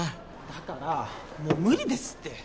だからもう無理ですって。